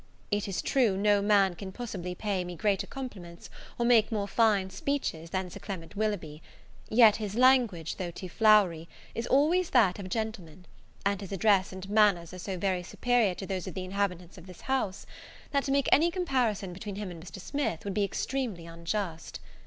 It is true, no man can possibly pay me greater compliments, or make more fine speeches, than Sir Clement Willoughby: yet his language, though too flowery, is always that of a gentleman; and his address and manners are so very superior to those of the inhabitants of this house, that, to make any comparison between him and Mr. Smith, would be extremely unjust.